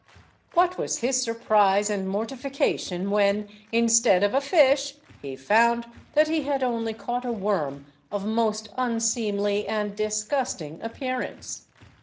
What was his surprise and mortification, when, instead of a fish, he found that he had only caught a worm of most unseemly and disgusting appearance.